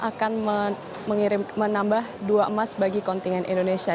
akan menambah dua emas bagi kontingen indonesia